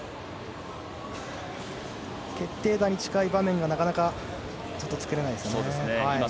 決定打に近い場面がなかなか作れないですね。